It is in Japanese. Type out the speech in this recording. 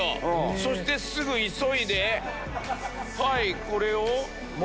そしてすぐ急いでこれを。